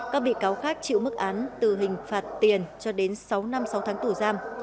các bị cáo khác chịu mức án từ hình phạt tiền cho đến sáu năm sáu tháng tù giam